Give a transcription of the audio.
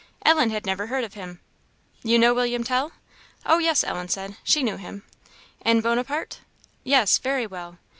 Ellen had never heard of him. "You know William Tell?" "Oh yes," Ellen said; "she knew him." "And Bonaparte?" "Yes, very well."